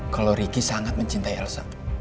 kalo ricky sangat mencintai ilesa